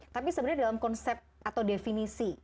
tapi sebenarnya dalam konsep atau definisi